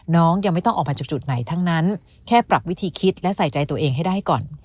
น้องยังไม่ต้องออกมาจากจุดไหนทั้งนั้นแค่ปรับวิธีคิดและใส่ใจตัวเองให้ได้ก่อน